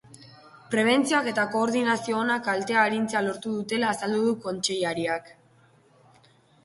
Prebentzioak eta koordinazio onak kalteak arintzea lortu dutela azaldu du kontseilariak.